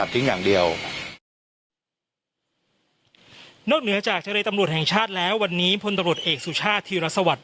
นอกเหนือจากทะเลตำรวจแห่งชาติแล้ววันนี้พลตำรวจเอกสุชาติธีรสวัสดิ